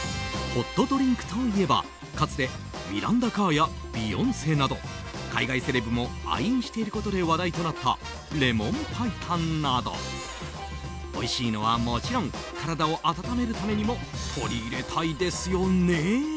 ホットドリンクといえばかつてミランダ・カーやビヨンセなどが愛飲していることでも話題となったレモン白湯などおいしいのはもちろん体を温めるためにも取り入れたいですよね。